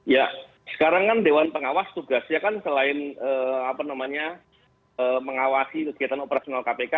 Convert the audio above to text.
ya sekarang kan dewan pengawas tugasnya kan selain mengawasi kegiatan operasional kpk